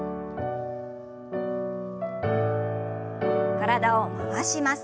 体を回します。